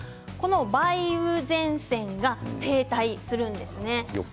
梅雨前線が停滞するんですね。